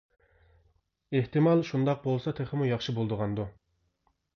ئېھتىمال شۇنداق بولسا تېخىمۇ ياخشى بولىدىغاندۇ.